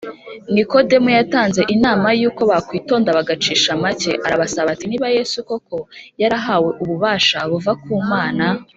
, Nikodemo yatanze inama yuko bakwitonda bagacisha make. Arabasaba ati niba Yesu koko yarahawe ububasha buva ku Mana